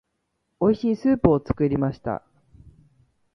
美味しいスープを作りました。